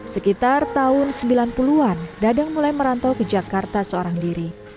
sekitar tahun sembilan puluh an dadang mulai merantau ke jakarta seorang diri